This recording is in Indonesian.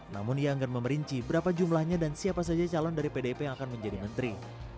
namun ia enggan memerinci berapa jumlahnya dan siapa saja calon dari pdip yang akan menjadi menteri